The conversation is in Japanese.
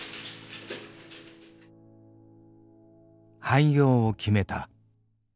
廃業を決めた。